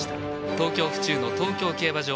東京・府中の東京競馬場。